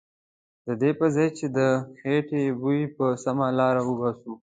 ددې پرځای چې د خیټې بوی په سمه لاره وباسو.